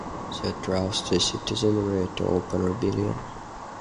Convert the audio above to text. That roused the citizenry to open rebellion.